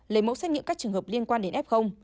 lấy mẫu xét nghiệm các trường hợp liên quan đến f